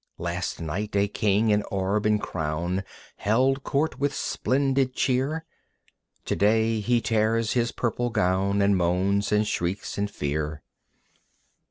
Last night a king in orb and crown Held court with splendid cheer; Today he tears his purple gown And moans and shrieks in fear.